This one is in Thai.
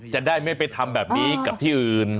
จะได้ไม่ไปทำแบบนี้กับที่อื่น